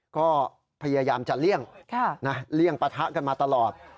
ก็พยายามจะเลี่ยงปะทะกันมาตลอด